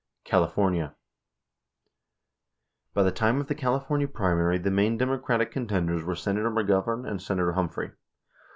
82 California: By the time of the California primary, the main Demo cratic contenders Were Senator McGovern and Senator Humphrey.